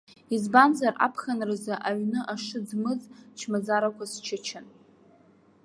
Избанзар, аԥхынразы аҩны ашыӡ-мыӡ чмазарақәа счычан.